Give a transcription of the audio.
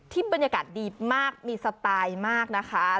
บรรยากาศดีมากมีสไตล์มากนะคะ